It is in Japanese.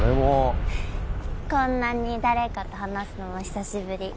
こんなに誰かと話すのも久しぶり。